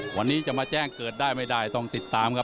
วันนี้จะมาแจ้งเกิดได้ไม่ได้ต้องติดตามครับ